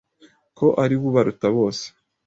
ko ari we ubaruta bose.